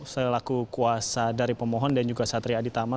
selaku kuasa dari pemohon dan juga satria aditama